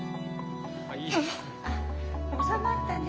あおさまったね！